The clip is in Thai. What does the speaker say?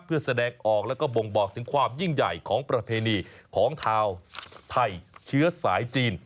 เพื่อแสดงออกแล้วก็บ่งบอกถึงความยิ่งใหญ่ของประเพณีของชาวไทยเชื้อสายจีน